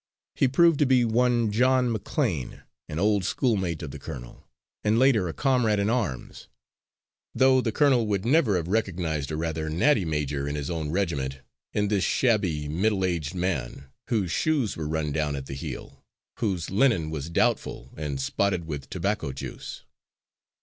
He proved to be one John McLean, an old schoolmate of the colonel, and later a comrade in arms, though the colonel would never have recognised a rather natty major in his own regiment in this shabby middle aged man, whose shoes were run down at the heel, whose linen was doubtful, and spotted with tobacco juice.